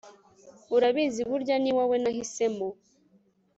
Urabizi burya niwowe nahisemo